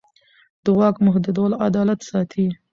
د واک محدودول عدالت ساتي